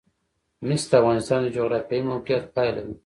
مس د افغانستان د جغرافیایي موقیعت پایله ده.